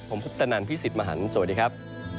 ผมพุทธนันทร์พี่ศิษย์มหันธ์สวัสดีครับ